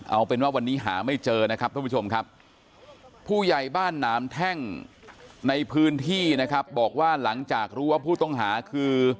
เอาเป็นว่าวันนี้หาไม่เจอนะครับท่านผู้ชมครับผู้ใหญ่บ้านหนามแท่งในพื้นที่นะครับบอกว่าหลังจากรู้ว่าผู้ต้องหาคือ